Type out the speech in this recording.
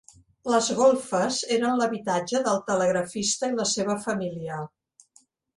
Les golfes eren l'habitatge del telegrafista i la seva família.